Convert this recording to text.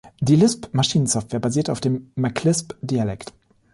Die Lisp-Maschinen-Software basierte auf dem Maclisp-Dialekt.